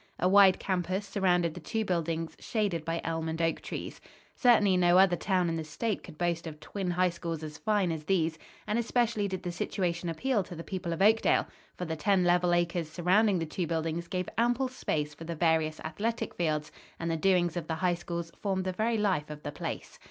A wide campus surrounded the two buildings, shaded by elm and oak trees. Certainly no other town in the state could boast of twin high schools as fine as these; and especially did the situation appeal to the people of Oakdale, for the ten level acres surrounding the two buildings gave ample space for the various athletic fields, and the doings of the high schools formed the very life of the place.